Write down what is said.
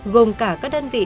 gồm cả các đơn vị